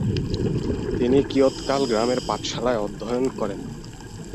তিনি কিয়ৎকাল গ্রামের পাঠশালায় অধ্যয়ন করেন।